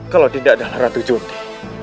kalau dinda adalah rantu junti